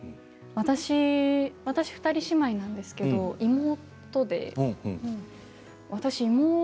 私は２人姉妹なんですけど妹で私、妹。